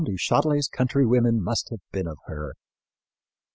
du Châtelet's countrywomen must have been of her!